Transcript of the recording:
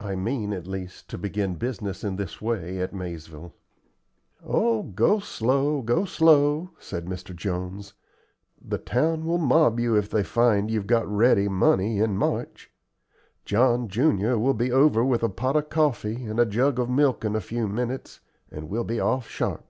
I mean at least to begin business in this way at Maizeville." "Oh, go slow, go slow!" said Mr. Jones. "The town will mob you if they find you've got ready money in March. John junior will be over with a pot of coffee and a jug of milk in a few minutes, and we'll be off sharp."